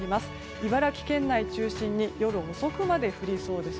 茨城県内を中心に夜遅くまで降りそうです。